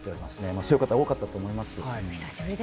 そういう方、多かったと思います。